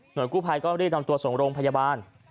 โดยกู้ภัยก็รีบนำตัวส่งโรงพยาบาล